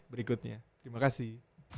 berikutnya terima kasih